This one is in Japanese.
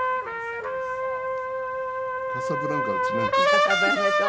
『カサブランカ』ですね。